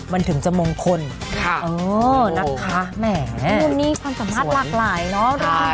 มันถึงจะมงคลค่ะนักค้าแหมรวมนี้ความสัมภาษณ์หลากหลายเนอะ